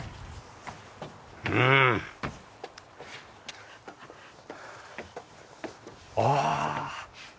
うん！ああ。